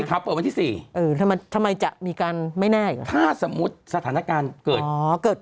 สีขาวเปิดวันที่๔ทำไมจะมีการไม่แน่อีกถ้าสมมุติสถานการณ์เกิด